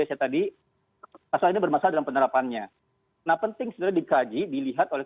saya tadi pasal ini bermasalah dalam penerapannya nah penting sebenarnya dikaji dilihat oleh